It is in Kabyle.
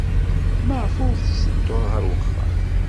Maɣef ur tetteddud ɣer wexxam?